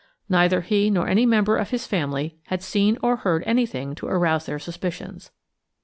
Neither he nor any member of his family had seen or heard anything to arouse their suspicions.